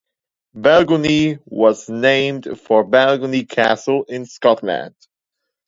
Balgonie was named for Balgonie Castle in Scotland.